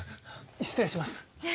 失礼します。